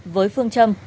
với phương trâm